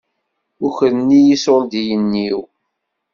Ukren-iyi iṣuṛdiyen-iw.